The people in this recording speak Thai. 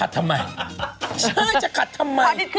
ลดละจะขัดทำไม